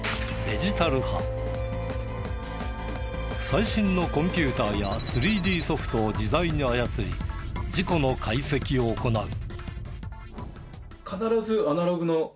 最新のコンピューターや３Ｄソフトを自在に操り事故の解析を行う。